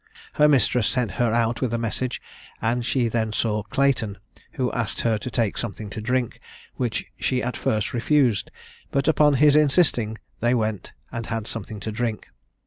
Her mistress sent her out with a message, and she then saw Clayton, who asked her to take something to drink, which she at first refused; but upon his insisting they went and had something to drink.